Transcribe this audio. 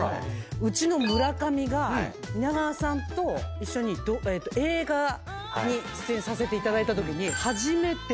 うちの村上が皆川さんと一緒に映画に出演させていただいたときに。